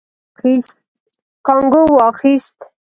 کانګو واخيست.